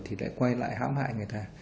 thì lại quay lại hám hại người ta